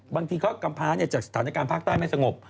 บางทีก็กำพ้าจากสถานการณ์ภาคใต้ไม่สงบ